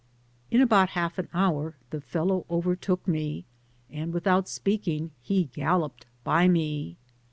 In about half an hour the fellow overtook me, and, without speaking, he galloped by me.